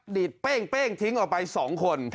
ดีดเป้งทิ้งออกไป๒คน